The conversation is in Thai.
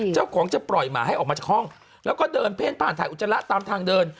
เจ้าของจะปล่อยหมาให้ออกมาจากห้องแล้วก็เดินเพ่นผ่านถ่ายอุจจาระตามทางเดิน